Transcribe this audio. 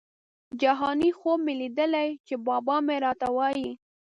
جهاني خوب مي لیدلی چي بابا مي راته وايی